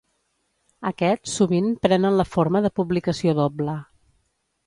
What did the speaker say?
Aquest sovint prenen la forma de publicació doble.